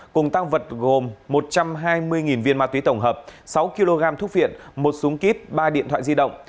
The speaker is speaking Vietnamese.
cùng tăng vật gồm một trăm hai mươi viên ma túy tổng hợp sáu kg thuốc viện một súng kíp ba điện thoại di động